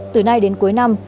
từ nay đến cuối năm